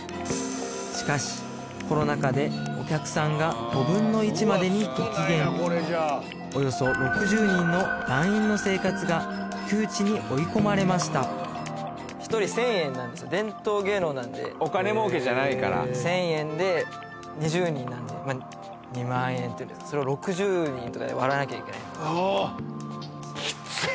しかしコロナ禍でお客さんがおよそ６０人の団員の生活が窮地に追い込まれました１人１０００円なんですよ伝統芸能なんでお金もうけじゃないから１０００円で２０人なんで２万円それを６０人とかで割らなきゃいけないのでああきっつい